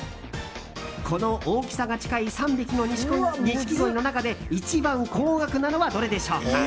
この大きさが近い３匹のニシキゴイの中で一番高額なのはどれでしょうか？